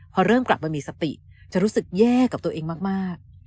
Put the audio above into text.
พอเริ่มกลับมามีสติจะรู้สึกแย่กับตัวเองมาก